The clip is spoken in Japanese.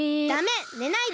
ねないで！